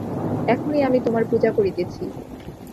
এখনই আমি তোমার পূজা করিতেছি।